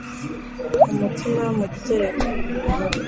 Umutima mu gitereko